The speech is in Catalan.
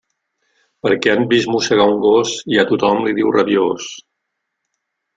Perquè han vist mossegar un gos, ja tothom li diu rabiós.